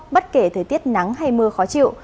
bất kể thời tiết nắng hay mưa khó chịu